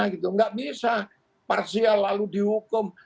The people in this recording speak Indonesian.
tidak bisa parsial lalu dihukum